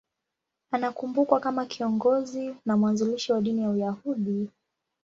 Anakumbukwa kama kiongozi na mwanzilishi wa dini ya Uyahudi.